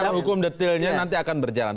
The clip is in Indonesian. dalam hukum detailnya nanti akan berjalan